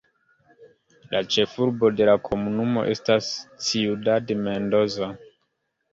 La ĉefurbo de la komunumo estas Ciudad Mendoza.